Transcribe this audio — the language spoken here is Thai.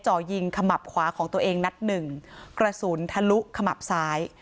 จ่อยิงขมับขวาของตัวเองนัดหนึ่งกระสุนทะลุขมับซ้าย